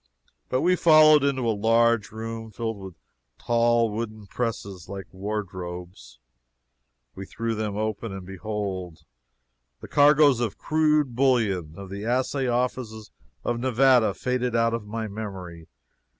But we followed into a large room filled with tall wooden presses like wardrobes. He threw them open, and behold, the cargoes of "crude bullion" of the assay offices of Nevada faded out of my memory.